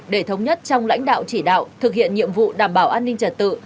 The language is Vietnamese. để thống nhất trong lãnh đạo chỉ đạo thực hiện nhiệm vụ đảm bảo an ninh trật tự